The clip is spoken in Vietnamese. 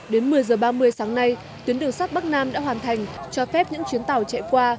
đến một mươi h ba mươi sáng nay tuyến đường sắt bắc nam đã hoàn thành cho phép những chuyến tàu chạy qua